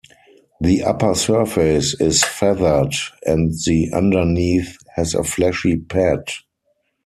The upper surface is feathered, and the underneath has a fleshy pad.